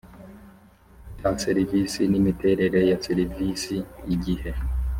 cya serivisi n imiterere ya serivisi igihe